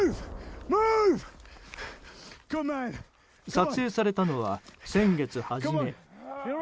撮影されたのは先月初め。